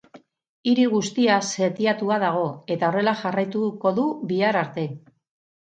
Hiri guztia setiatua dago eta horrela jarraituko du bihar arte.